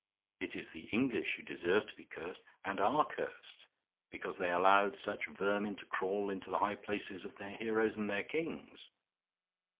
It is the English who deserve to be cursed, and are cursed, because they allowed such vermin to crawl into the high places of their heroes and their kings.